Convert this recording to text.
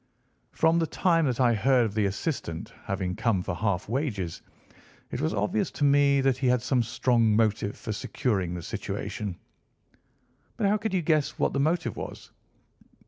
From the time that I heard of the assistant having come for half wages, it was obvious to me that he had some strong motive for securing the situation." "But how could you guess what the motive was?"